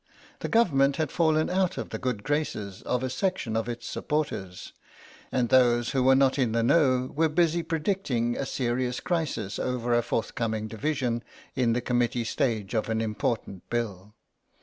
The Government had fallen out of the good graces of a section of its supporters, and those who were not in the know were busy predicting a serious crisis over a forthcoming division in the Committee stage of an important Bill.